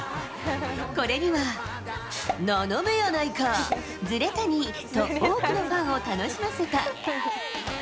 これには、斜めやないか、ズレ谷と多くのファンを楽しませた。